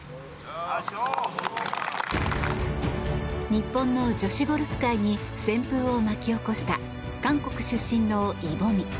日本の女子ゴルフ界に旋風を巻き起こした韓国出身のイ・ボミ。